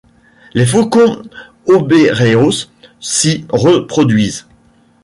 Les faucons hobereaus s'y reproduisent.